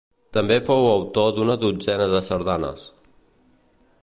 També fou autor d'una dotzena de sardanes.